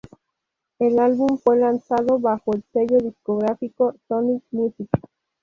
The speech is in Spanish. El álbum fue lanzado bajo el sello discográfico Sony Music.